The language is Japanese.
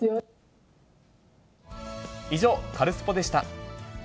以上、カルスポっ！でした。